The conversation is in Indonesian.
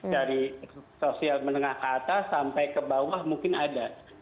dari sosial menengah ke atas sampai ke bawah mungkin ada